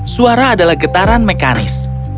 suara adalah getaran mekanis